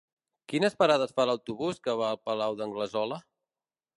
Quines parades fa l'autobús que va al Palau d'Anglesola?